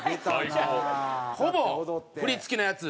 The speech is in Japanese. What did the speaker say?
ほぼ振り付きのやつ。